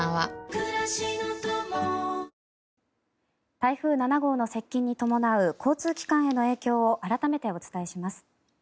台風７号の接近に伴う交通機関への影響を改めてお伝えします。